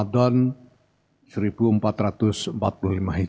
kita bisa mengharapkan bahwa keputusan isbat ramadan